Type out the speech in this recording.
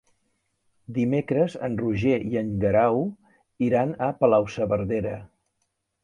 Dimecres en Roger i en Guerau iran a Palau-saverdera.